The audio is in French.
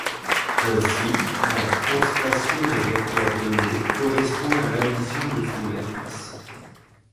Ainsi, la translation d'un vecteur donné correspond à l'addition de son affixe.